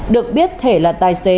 được biết thể là tài xế